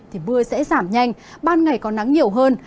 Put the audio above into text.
thì mưa sẽ giảm nhanh ban ngày có nắng nhiều hơn